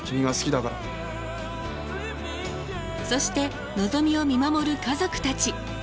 そしてのぞみを見守る家族たち。